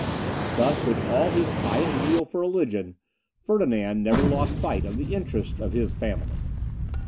Thus, with all his pious zeal for religion, Ferdinand never lost sight of the interests of his family.